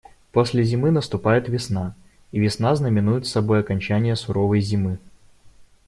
После зимы наступает весна, и весна знаменует собой окончание суровой зимы.